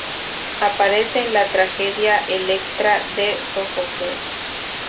Aparece en la tragedia Electra de Sófocles.